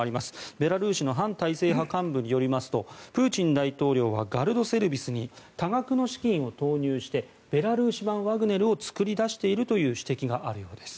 ベラルーシの反体制派幹部によりますとプーチン大統領はガルドセルビスに多額の資金を投入してベラルーシ版ワグネルを作り出しているという指摘があるようです。